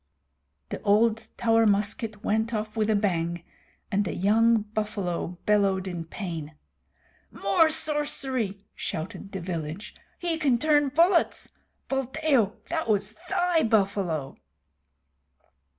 The old Tower musket went off with a bang, and a young buffalo bellowed in pain. "More sorcery!" shouted the villagers. "He can turn bullets. Buldeo, that was thy buffalo."